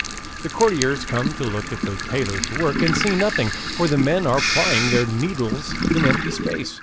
The courtiers come to look at the tailors' work and see nothing, for the men are plying their needles in empty space.